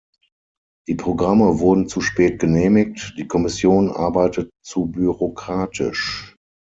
Die Programme wurden zu spät genehmigt, die Kommission arbeitet zu bürokratisch.